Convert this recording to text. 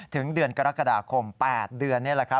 ถึงเดือนกรกฎาคม๘เดือนนี่แหละครับ